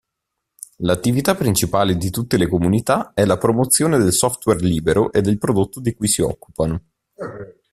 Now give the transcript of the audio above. L'attività principale di tutte le comunità è la promozione del software libero e del prodotto di cui si occupano.